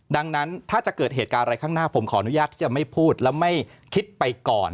ดังนั้นถ้าจะเกิดเหตุการณ์อะไรข้างหน้าผมขออนุญาตที่จะไม่พูดและไม่คิดไปก่อน